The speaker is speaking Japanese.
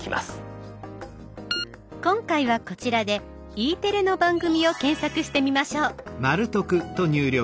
今回はこちらでＥテレの番組を検索してみましょう。